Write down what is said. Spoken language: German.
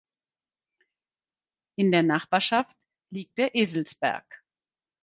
In der Nachbarschaft liegt der Eselsberg.